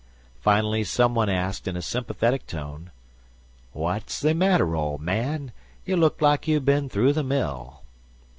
Finally some one asked, in a sympathetic tone: "What is the matter, old man? You look like you'd been through the mill."